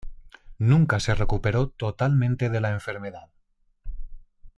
Nunca se recuperó totalmente de la enfermedad.